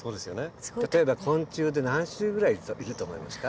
例えば昆虫で何種類ぐらいいると思いますか？